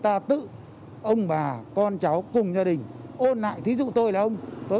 ta tự ông và con cháu cùng gia đình ôn lại thí dụ tôi là ông tôi ôn cho các